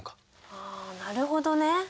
ああなるほどね。